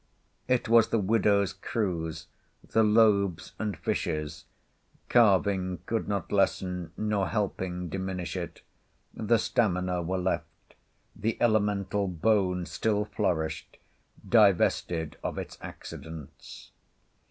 It was the widow's cruse—the loaves and fishes; carving could not lessen nor helping diminish it—the stamina were left—the elemental bone still flourished, divested of its accidents.